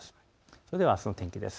それではあすの天気です。